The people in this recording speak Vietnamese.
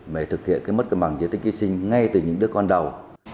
để thực hiện mất mẳng giới tính khi sinh ngay từ những đứa con đầu